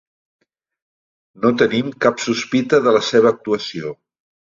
No tenim cap sospita de la seva actuació.